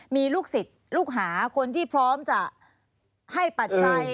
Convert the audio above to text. มีลูกศิษย์ลูกหาคนที่พร้อมจะให้ปัจจัย